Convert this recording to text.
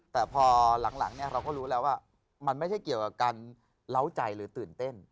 แต่พอหลังเราก็รู้แล้วว่ามันไม่ใช่เกี่ยวกับการเล้าใจหรือตื่นเต้น